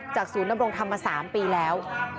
จากศูนย์นำรงค์ทำมา๓ปีแล้ว